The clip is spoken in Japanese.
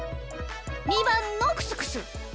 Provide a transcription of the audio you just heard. ２ばんのクスクス。